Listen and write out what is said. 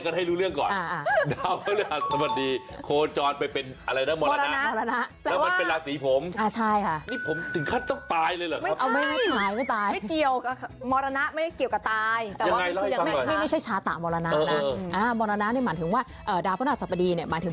คุณจะต้องทำด้วยน้ำพักน้ำแรงต้องทำด้วยโตของคุณเอง